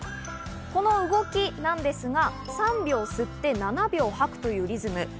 この動きなんですが、３秒吸って７秒はくというリズム。